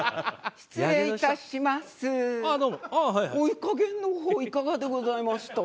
お湯加減の方いかがでございました？